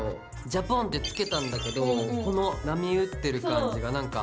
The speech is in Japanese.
ジャポンってつけたんだけどこの波打ってる感じがなんか。